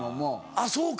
あっそうか。